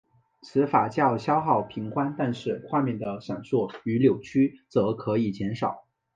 此法较消耗频宽但是画面的闪烁与扭曲则可以减少。